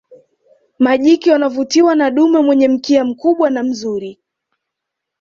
Majike wanavutiwa na dume mwenyewe mkia mkubwa na mzuri